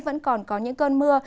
vẫn còn có những cơn mưa